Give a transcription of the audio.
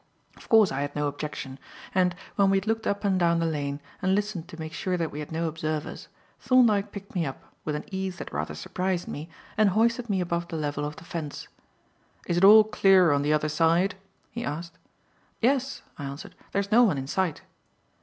Of course I had no objection, and, when we had looked up and down the lane and listened to make sure that we had no observers, Thorndyke picked me up, with an ease that rather surprised me, and hoisted me above the level of the fence. "Is it all clear on the other side?" he asked. "Yes," I answered, "there's no one in sight."